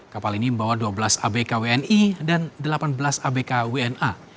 kapal ini membawa dua belas abk wni dan delapan belas abk wna